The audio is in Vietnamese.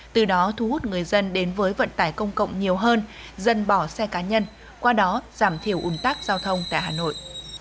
từ đó thu hút người dân đến với vận tải công cộng nhiều hơn dân bỏ xe cá nhân qua đó giảm thiểu ủn tắc giao thông tại hà nội